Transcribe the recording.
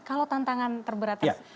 kalau tantangan terberatnya sendiri